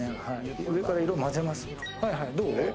上から色を混ぜます。